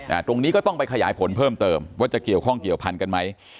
ตรงนี้ก็ต้องไปขยายผลเพิ่มเติมว่าจะเกี่ยวข้องเกี่ยวพันกันไหม